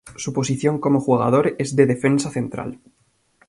Su posición como jugador es de "Defensa Central.